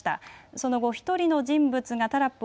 その後、１人の人物がタラップを